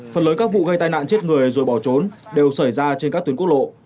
phần lớn các vụ gây tai nạn chết người rồi bỏ trốn đều xảy ra trên các tuyến quốc lộ